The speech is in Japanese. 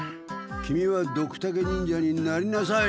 キミはドクタケ忍者になりなさい！